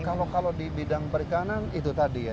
kalau di bidang perikanan itu tadi ya